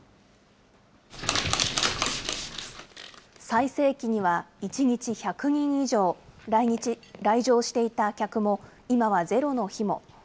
最盛期には１日１００人以上来場していた客も今はゼロの日も。